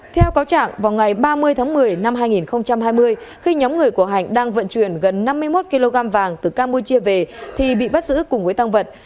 theo cáo trạng vào ngày ba mươi tháng một mươi năm hai nghìn hai mươi khi nhóm người của hạnh đang vận chuyển gần năm mươi một kg vàng từ campuchia về thì bị bắt giữ cùng với tăng vật